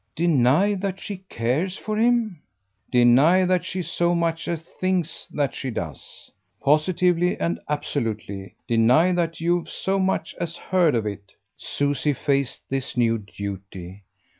"Deny that she cares for him?" "Deny that she so much as thinks that she does. Positively and absolutely. Deny that you've so much as heard of it." Susie faced this new duty.